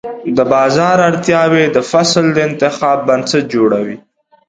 د بازار اړتیاوې د فصل د انتخاب بنسټ جوړوي.